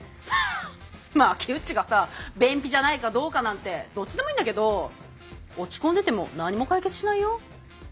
まあキウッチがさ便秘じゃないかどうかなんてどっちでもいいんだけど落ち込んでても何も解決しないよ。